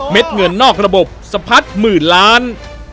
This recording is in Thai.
เม็ดเหงื่อนอกระบบสะพัดหมื่นล้าน